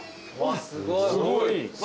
すごい。